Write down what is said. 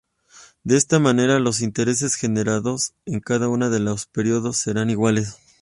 De esta manera los intereses generados en cada uno de los períodos serán iguales.